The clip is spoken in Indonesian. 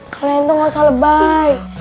kalian tuh gak usah lebay